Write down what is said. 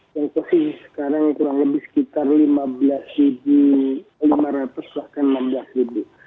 yang posisi sekarang kurang lebih sekitar lima belas lima ratus bahkan enam belas